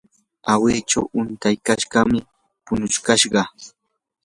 awichu utikashqami punukushqa.